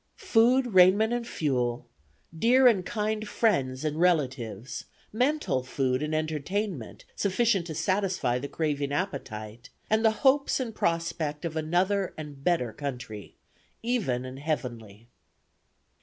Food, raiment and fuel, dear and kind friends and relatives, mental food and entertainment sufficient to satisfy the craving appetite, and the hopes and prospect of another and better country, even an heavenly.